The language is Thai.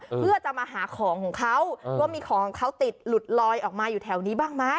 เพื่อจะมาหาของของเขาว่ามีของเขาติดหลุดลอยออกมาอยู่แถวนี้บ้างไหม